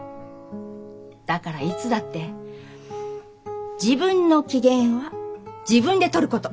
だからいつだって自分の機嫌は自分でとること。